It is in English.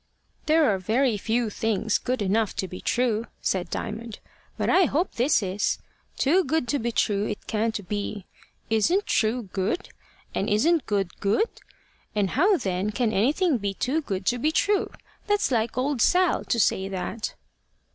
"There are very few things good enough to be true," said Diamond; "but I hope this is. Too good to be true it can't be. Isn't true good? and isn't good good? And how, then, can anything be too good to be true? That's like old Sal to say that."